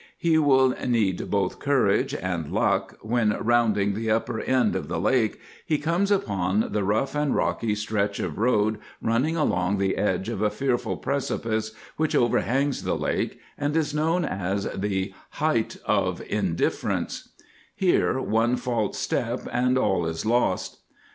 He will need both courage and luck when, rounding the upper end of the lake, he comes upon the rough and rocky stretch of road running along the edge of a fearful precipice which overhangs the lake, and is known as the Height of Indifference; here one false step and all is lost.